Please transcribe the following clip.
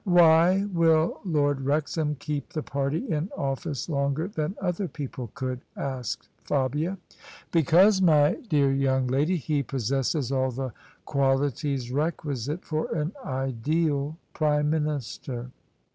"Why will Lord Wrexham keep the party in office longer than other people could ?" asked Fabia. " Because, my dear young lady, he possesses all the quali ties requisite for an ideal Prime Minister."